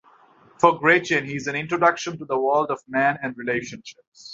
For Gretchen he is an introduction to the world of men and relationships.